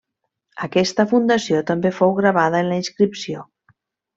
Aquesta fundació també fou gravada en la inscripció.